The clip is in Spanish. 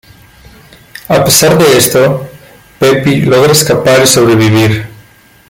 A pesar de esto, Peppy logra escapar y sobrevivir.